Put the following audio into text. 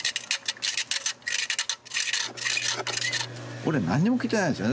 俺何にも聞いてないんですよね